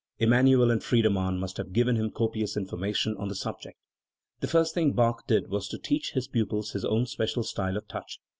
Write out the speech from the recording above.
Emmanuel and Friede mann must have given him copious information on the subject. "The first thing Bach did was to teach his pupils his own special style of touch.